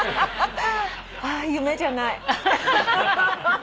夢じゃない。